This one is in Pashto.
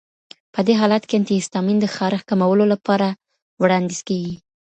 په دې حالت کې انټي هسټامین د خارښ کمولو لپاره وړاندیز کېږي.